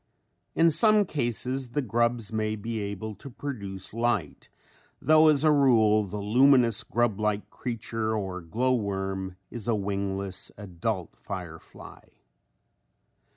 In some cases the grubs may be able to produce light though as a rule the luminous grub like creature or glow worm is a wingless adult firefly.